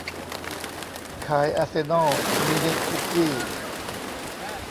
ขายอาร์เซน่อลมินิคุกกี้